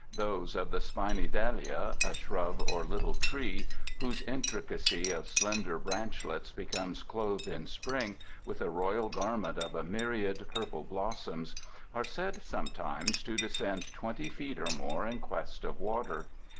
Those of the spiny dalea, a shrub or little tree whose in tricacy of slender branchlets becomes clothed in spring with a royal garment of a myriad purple blossoms, are said sometimes to descend twenty feet or more in quest of water.